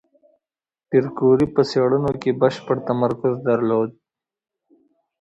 پېیر کوري په څېړنو کې بشپړ تمرکز درلود.